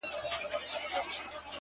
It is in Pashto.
زما سره يې دومره ناځواني وكړله ،